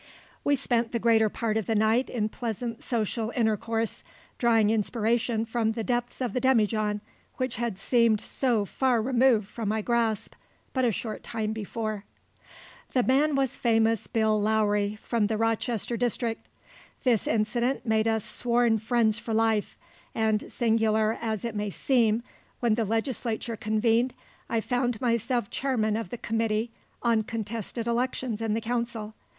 We spent the greater part of the night in pleasant social intercourse, drawing inspiration from the depths of the demijohn, which had seemed so far removed from my grasp but a short time before. The man was the famous Bill Lowry, from the Rochester district. This incident made us sworn friends for life, and singular as it may seem, when the legislature convened, I found myself chairman of the committee on contested elections in the council.